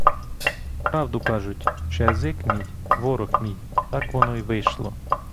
Правду кажуть, що язик мій — ворог мій, так воно й вийшло.